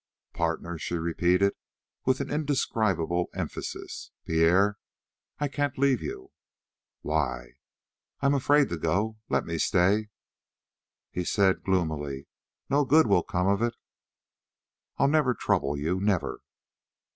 "Partner!" she repeated with an indescribable emphasis. "Pierre, I can't leave you." "Why?" "I'm afraid to go: Let me stay!" He said gloomily: "No good will come of it." "I'll never trouble you never!"